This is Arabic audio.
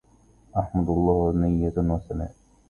أحمدُ اللَّه نيةً وثناءَ